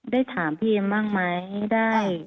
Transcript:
ได้ถามพี่เอ็มบ้างไหมได้